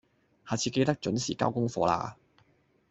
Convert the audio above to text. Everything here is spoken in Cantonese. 下次記得準時交功課喇